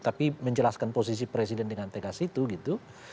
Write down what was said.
tapi menjelaskan posisi presiden dengan tegas itu gitu